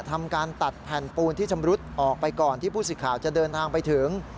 ทำการตัดแผ่นปูนที่ชำรุดออกไปก่อนที่ผู้สิทธิ์ข่าวจะเดินทางไปถึง